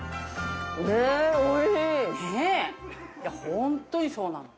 本当にそうなの。